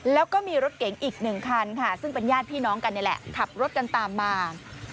แล้วก็มีรถเก๋งอีกหนึ่งคันค่ะซึ่งเป็นญาติพี่น้องกันนี่แหละขับรถกันตามมา